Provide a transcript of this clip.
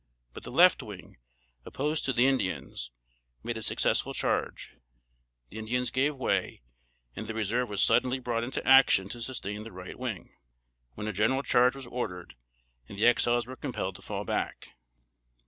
But the left wing, opposed to the Indians, made a successful charge; the Indians gave way, and the reserve was suddenly brought into action to sustain the right wing, when a general charge was ordered, and the Exiles were compelled to fall back.